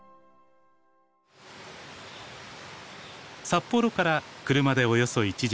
札幌から車でおよそ１時間。